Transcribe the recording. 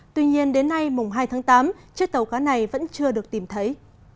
tuy nhiên đến nay mùng hai tháng tám chiếc tàu cá này vẫn chưa được tìm thấy